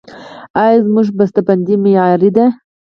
آیا زموږ بسته بندي معیاري ده؟